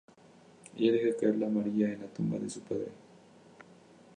Ella deja caer la amarilla en la tumba de su padre.